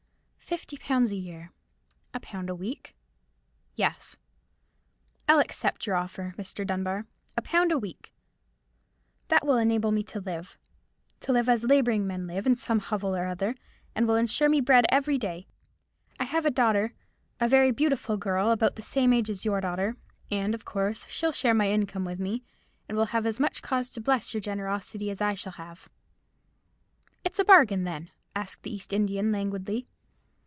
"Fifty pounds a year—a pound a week." "Yes." "I'll accept your offer, Mr. Dunbar. A pound a week. That will enable me to live—to live as labouring men live, in some hovel or other; and will insure me bread every day. I have a daughter, a very beautiful girl, about the same age as your daughter: and, of course, she'll share my income with me, and will have as much cause to bless your generosity as I shall have." "It's a bargain, then?" asked the East Indian, languidly.